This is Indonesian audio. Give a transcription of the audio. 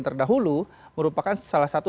terdahulu merupakan salah satu